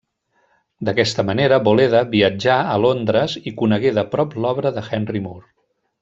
D’aquesta manera, Boleda viatjà a Londres i conegué de prop l’obra de Henry Moore.